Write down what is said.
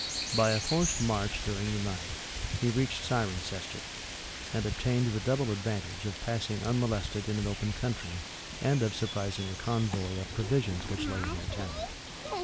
By a forced march during the night, he reached Cirencester, and obtained the double advantage of passing unmolested an open country, and of surprising a convoy of provisions which lay in that town.